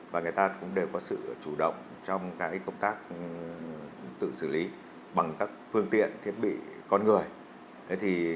và người ta cũng đều có sự chủ động trong công tác tự xử lý bằng các phương tiện thiết bị con người